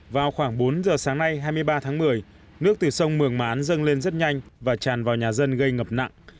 vào khoảng bốn giờ sáng nay hai mươi ba tháng một mươi nước từ sông mường mán dâng lên rất nhanh và tràn vào nhà dân gây ngập nặng